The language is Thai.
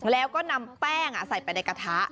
แล้วก็นำแป้งใส่ไปในกระทะ